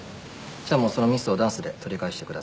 じゃあもうそのミスをダンスで取り返してください。